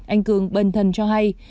anh cường bần thần cho hay